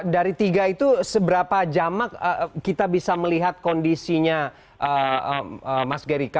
dari tiga itu seberapa jamak kita bisa melihat kondisinya mas gerika